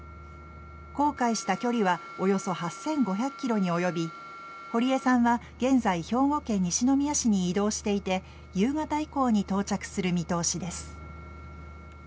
航海した距離はおよそ８５００ｋｍに及び堀江さんは現在兵庫県西宮市に移動していて夕方以降に到着する見通しです。